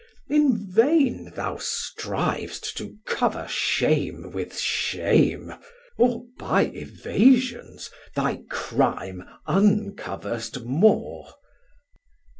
840 In vain thou striv'st to cover shame with shame, Or by evasions thy crime uncoverst more.